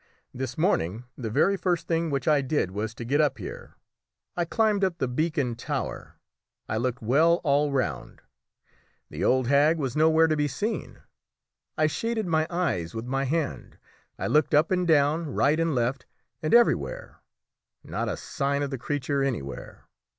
This morning the very first thing which I did was to get up here. I climbed up the beacon tower; I looked well all round; the old hag was nowhere to be seen. I shaded my eyes with my hand. I looked up and down, right and left, and everywhere; not a sign of the creature anywhere.